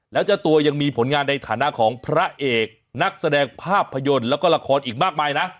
แล้วเจ้าตัวยังมีผลงานในฐานะของพระเอกนักแสดงภาพยนตร์แล้วก็ละครอีกมากมายนะ